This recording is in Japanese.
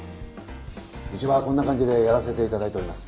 うちはこんな感じでやらせて頂いております。